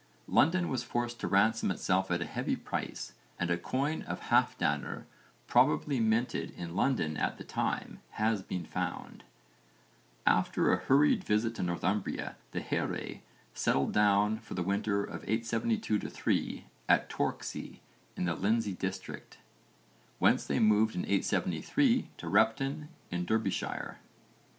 London was forced to ransom itself at a heavy price and a coin of Halfdanr, probably minted in London at the time, has been found. After a hurried visit to Northumbria the here settled down for the winter of 872 3 at Torksey in the Lindsey district, whence they moved in 873 to Repton in Derbyshire.